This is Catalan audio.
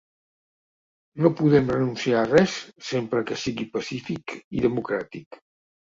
No podem renunciar a res sempre que sigui pacífic i democràtic.